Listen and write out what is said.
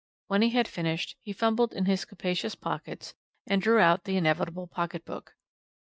When he had finished he fumbled in his capacious pockets, and drew out the inevitable pocket book.